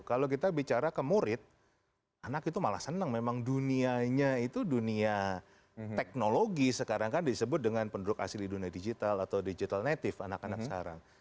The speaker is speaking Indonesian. kalau kita bicara ke murid anak itu malah senang memang dunianya itu dunia teknologi sekarang kan disebut dengan penduduk asli di dunia digital atau digital native anak anak sekarang